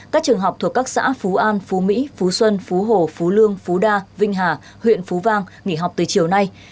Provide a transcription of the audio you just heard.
các trường học thuộc các xã phú an phú mỹ phú xuân phú hồ phú lương phú đa vinh hà huyện phú vang nghỉ học từ chiều nay